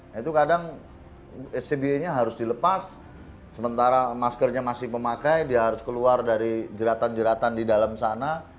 nah itu kadang sby nya harus dilepas sementara maskernya masih memakai dia harus keluar dari jeratan jeratan di dalam sana